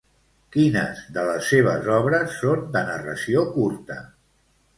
Quines de les seves obres són de narració curta?